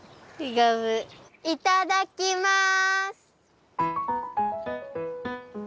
いただきます！